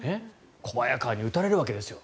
小早川に打たれるわけですよ。